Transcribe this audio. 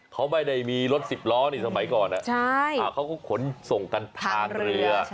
เขาไม่ได้มีรถสิบล้อนี่สมัยก่อนเขาก็ขนส่งกันทางเรือ